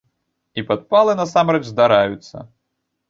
І падпалы насамрэч здараюцца.